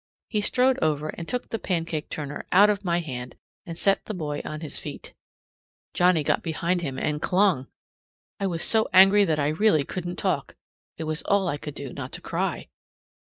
He strode over and took the pancake turner out of my hand and set the boy on his feet. Johnnie got behind him and clung! I was so angry that I really couldn't talk. It was all I could do not to cry.